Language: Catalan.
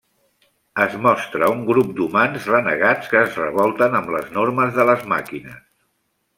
Es mostra un grup d'humans renegats que es revolten amb les normes de les màquines.